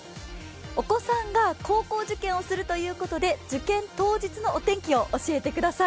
お子さんが高校受検をするということで受験当日のお天気を教えてください。